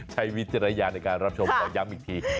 ใช้วิทยาลัยในการรับชมต่อยังอีกที